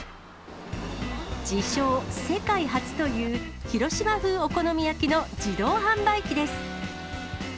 自称、世界初という広島風お好み焼きの自動販売機です。